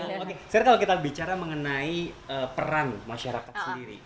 oke jadi kalau kita bicara mengenai peran masyarakat sendiri